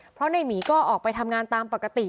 เพราะในหมีก็ออกไปทำงานตามปกติ